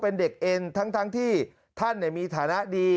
เป็นเด็กเอ็นทั้งที่ท่านมีฐานะดี